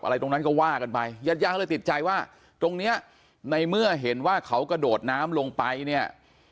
อะไรตรงนั้นก็ว่ากันไปญาติญาติก็เลยติดใจว่าตรงเนี้ยในเมื่อเห็นว่าเขากระโดดน้ำลงไปเนี่ย